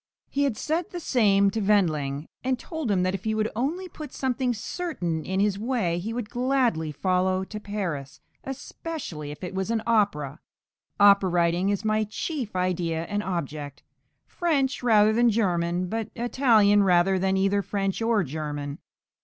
He had said the same to Wendling, and told him that if he would only put something certain in his way, he would gladly follow to Paris, "especially if it was an opera; opera writing is my chief idea and object, French rather than German, but Italian rather than either French or German.